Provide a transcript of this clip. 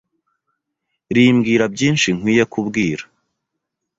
rimbwira byinshi nkwiye kubwira